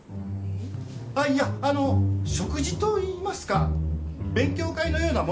あっいやあの食事といいますか勉強会のようなもので。